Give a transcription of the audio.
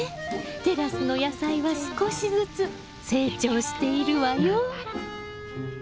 テラスの野菜は少しずつ成長しているわよ。